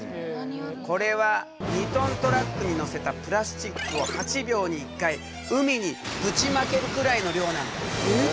これは２トントラックに載せたプラスチックを８秒に１回海にぶちまけるくらいの量なんだ。え！